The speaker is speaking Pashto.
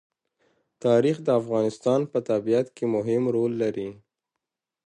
تاریخ د افغانستان په طبیعت کې مهم رول لري.